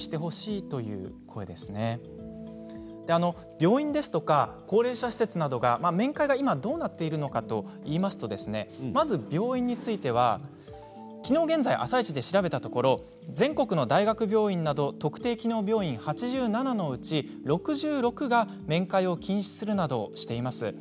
病院ですとか高齢者施設などが面会が今どうなっているのかといいますとまず、病院についてはきのう現在「あさイチ」で調べたところ全国の大学病院など特定機能病院８７のうち６６の病院が面会を禁止するなどしています。